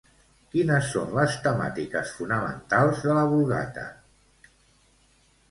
Quines són les temàtiques fonamentals de la Vulgata?